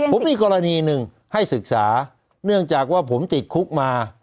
ผมมีกรณีหนึ่งให้ศึกษาเนื่องจากว่าผมติดคุกมา